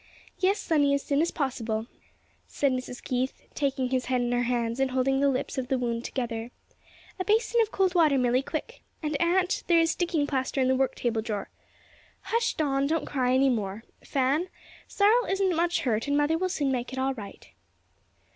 "Yes, sonny, as soon as possible," said Mrs. Keith, taking his head in her hands and holding the lips of the wound together. "A basin of cold water, Milly, quick! and aunt, there is sticking plaster in the work table drawer. Hush Don; don't cry any more, Fan; Cyril isn't much hurt and mother will soon make it all right."